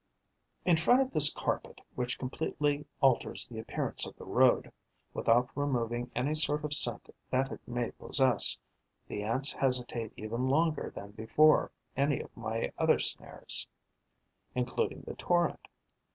In front of this carpet, which completely alters the appearance of the road, without removing any sort of scent that it may possess, the Ants hesitate even longer than before any of my other snares, including the torrent.